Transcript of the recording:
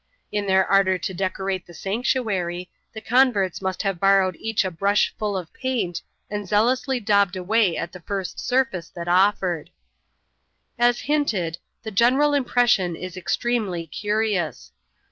In their ardour to decorate the sanctuary, the c on verts must have borrowed each a brush full of paint, and zealously daubed away at the first surfiice that offered. As hinted, the general impression is extremely curious.